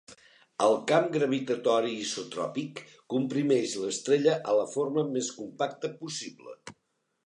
El camp gravitatori isotròpic comprimeix l'estrella a la forma més compacta possible.